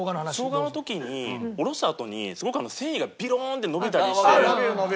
生姜の時におろしたあとにすごく繊維がびろーんって伸びたりして。